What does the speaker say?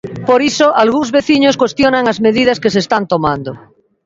Por iso algúns veciños cuestionan as medidas que se están tomando.